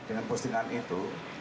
dengan postingan itu